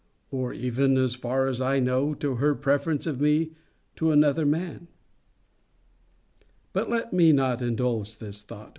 Or even, as far as I know, to her preference of me to another man? But let me not indulge this thought.